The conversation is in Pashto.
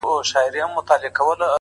• دا کمال دي د یوه جنګي نظر دی,